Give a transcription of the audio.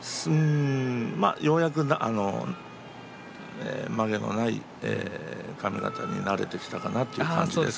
ようやく、まげのない髪形に慣れてきたかなと思います。